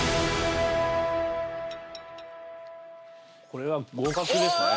これは合格ですね